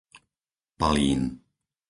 Palín